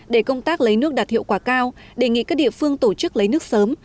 để công tác lấy nước đạt hiệu quả cao đề nghị các địa phương tổ chức lấy nước sớm